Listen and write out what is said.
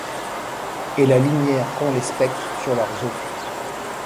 Et la lumière qu’ont les spectres sur leurs os ;